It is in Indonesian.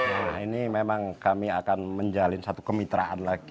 nah ini memang kami akan menjalin satu kemitraan